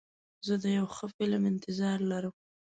زه د یو ښه فلم انتظار لرم.